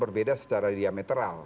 berbeda secara diametral